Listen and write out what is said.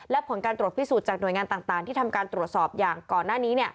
และผลการตรวจพิสูจน์จากหน่วยงานต่างที่ทำการตรวจสอบอย่างก่อนหน้านี้